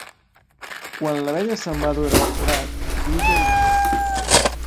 Quan l'abella se'n va d'hora al forat, pluja aviat.